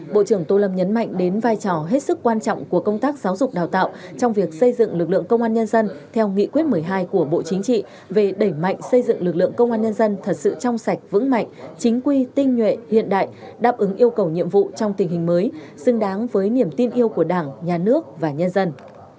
bộ trưởng tô lâm nhấn mạnh đến vai trò hết sức quan trọng của công tác giáo dục đào tạo trong việc xây dựng lực lượng công an nhân dân theo nghị quyết một mươi hai của bộ chính trị về đẩy mạnh xây dựng lực lượng công an nhân dân thật sự trong sạch vững mạnh chính quy tinh nhuệ hiện đại đáp ứng yêu cầu nhiệm vụ trong tình hình mới xứng đáng với niềm tin yêu của đảng nhà nước và nhân dân